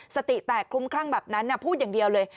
สติแตกคลุมคลั่งแบบนั้นพูดอย่างเดียวเลย